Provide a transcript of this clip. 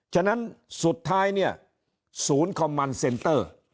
ฉะนั้นสุดท้ายเนี่ยศูนย์คอมมันเซ็นเตอร์